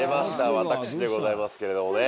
私でございますけれどもね。